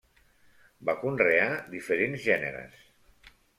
Va conrear diferents gèneres.